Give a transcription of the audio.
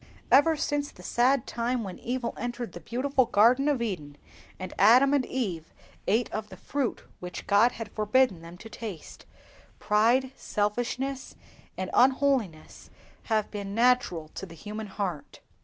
Ever since the sad time when evil entered the beautiful garden of Eden, and Adam and Eve ate of the fruit which God had forbidden them to taste, pride, selfishness, and unholiness have been natural to the human heart.